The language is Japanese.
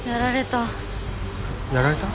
やられた。